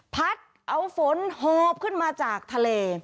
พัดเอาฝนหอบขึ้นมาจากทะเล